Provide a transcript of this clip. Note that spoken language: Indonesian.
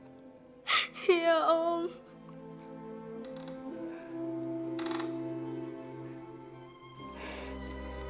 sama sama saskia jaga diri baik baik ya anissa